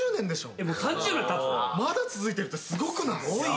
まだ続いてるってすごくない？